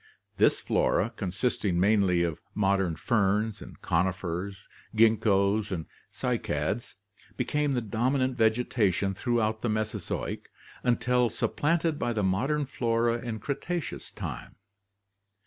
This flora, consisting mainly of modern ferns, conifers, ginkgoes, and cycads, became the dominant vegetation throughout the Mesozoic until supplanted by the modern flora in Cretaceous time.